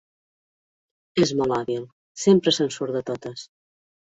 És molt hàbil: sempre se'n surt de totes.